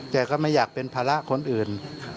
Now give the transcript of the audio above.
ก็ไม่อยากเป็นภาระคนอื่น